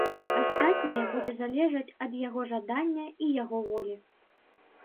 Астатняе будзе залежаць ад яго жадання і яго волі.